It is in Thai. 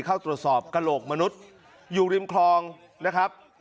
เข้าตรวจสอบกระโหลกมนุษย์อยู่ริมคลองนะครับ